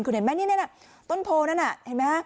คุณเห็นไหมนี่ต้นโพลนั้นเห็นไหม